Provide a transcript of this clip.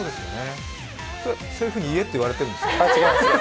そういうふうに言えって言われてるんですか？